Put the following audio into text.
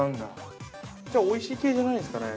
じゃあ、おいしい系じゃないんですかね。